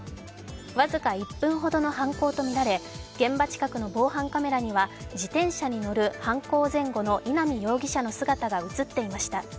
僅か１分ほどの犯行とみられ、現場近くの防犯カメラには自転車に乗る犯行前後の稲見容疑者の姿が映っていました。